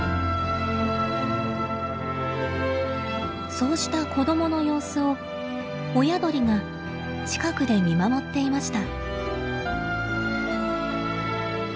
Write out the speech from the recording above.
そうした子供の様子を親鳥が近くで見守っていました。